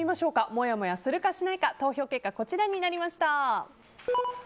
もやもやするかしないか投票結果こちらになりました。